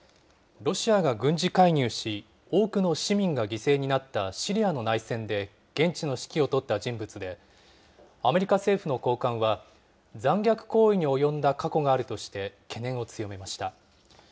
ロシアが軍事介入し、多くの市民が犠牲になった、シリアの内戦で現地の指揮を執った人物で、アメリカ政府の高官は、残虐行為に及んだ過去があるとして、懸念を強めました。